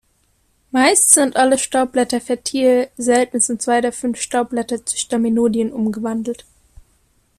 Meist sind alle Staubblätter fertil; selten sind zwei der fünf Staubblätter zu Staminodien umgewandelt.